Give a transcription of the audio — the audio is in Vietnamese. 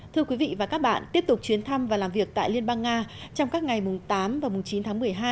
thưa quý vị và các bạn tiếp tục chuyến thăm và làm việc tại liên bang nga trong các ngày tám và chín tháng một mươi hai